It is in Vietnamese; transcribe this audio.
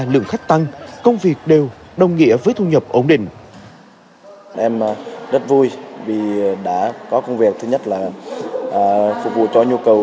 lượng khách tăng công việc đều đồng nghĩa với thu nhập ổn định